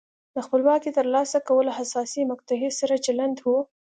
د خپلواکۍ ترلاسه کول حساسې مقطعې سره چلند و.